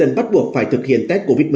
mới được vào thành phố vinh